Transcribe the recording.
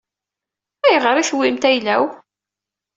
Ayɣer i tewwimt ayla-w?